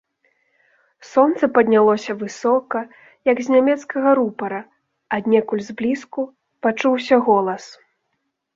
Сонца паднялося высока, як з нямецкага рупара, аднекуль зблізку, пачуўся голас.